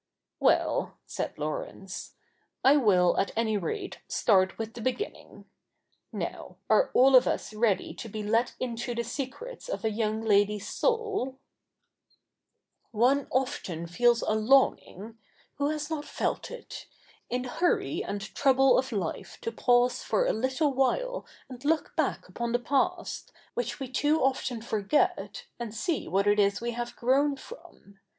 ' Well,' said Laurence, ' I will, at any rate, start with the beginning. Now, are all of us ready to be let into the secrets of a young lady's soul ?—'" 07ie often feels a longing — who has not felt it? — CH. ii] THE NEW REPUBLIC 227 in the hurry and trouble of life to pause for a little while and look back upon the past, which we too too often forget^ and see what it is we have groivfi from.